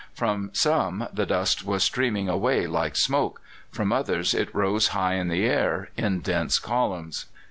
From some the dust was streaming away like smoke, from others it rose high in the air in dense columns.